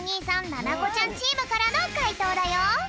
ななこちゃんチームからのかいとうだよ！